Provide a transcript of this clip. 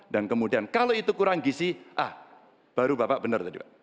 dan kemudian kalau itu kurang gizi ah baru bapak benar tadi pak